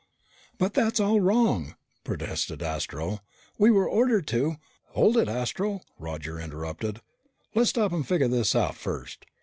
"But that's all wrong!" protested Astro. "We were ordered to " "Hold it, Astro," Roger interrupted. "Let's stop and figure this out first.